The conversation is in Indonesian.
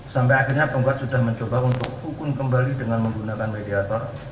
sampai akhirnya penggugat sudah mencoba untuk hukum kembali dengan menggunakan mediator